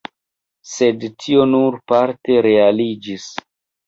Sed tio nur parte realiĝis.